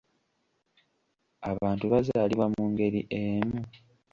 Abantu bazaalibwa mu ngeri emu.